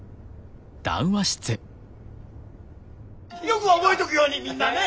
よく覚えとくようにみんなね！